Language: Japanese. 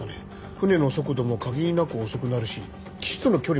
船の速度も限りなく遅くなるし岸との距離も近いですよ。